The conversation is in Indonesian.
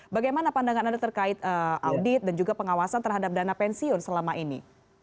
bagaimana pandangan anda terkait audit dan juga pengawasan terhadap dana pensiun selama ini